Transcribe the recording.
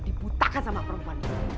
dibutakan sama perempuan itu